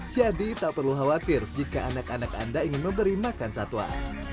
jadi tak perlu khawatir jika anak anak anda ingin memberi makan satwa